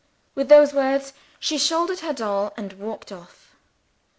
With those words, she shouldered her doll; and walked off.